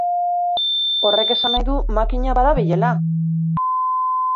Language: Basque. Horrek esan nahi du makina badabilela!